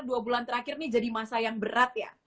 dua bulan terakhir ini jadi masa yang berat ya